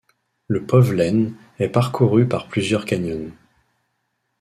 Le Povlen est parcouru par plusieurs canyons.